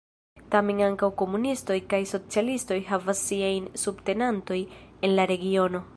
Tamen ankaŭ komunistoj kaj socialistoj havas siajn subtenantojn en la regiono.